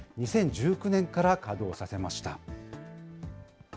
２０１９年から稼働させました。